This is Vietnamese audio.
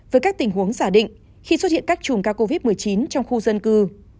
với các tình huống giả định khi xuất hiện các chùm ca covid một mươi chín trong khu dân cư